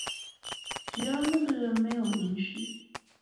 只要那個人沒有允許